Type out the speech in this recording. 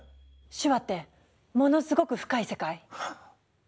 手話ってものすごく深い世界？